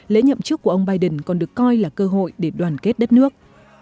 lễ nhậm chức của ông biden còn được coi là cơ hội để đoàn kết đất nước